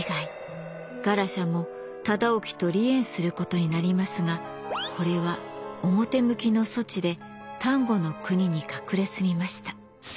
ガラシャも忠興と離縁することになりますがこれは表向きの措置で丹後国に隠れ住みました。